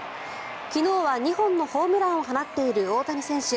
昨日は２本のホームランを放っている大谷選手。